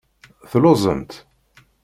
Telluẓemt?